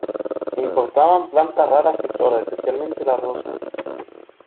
Importaban plantas raras y flores, especialmente la rosa.